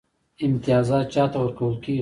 امتیازات چا ته ورکول کیږي؟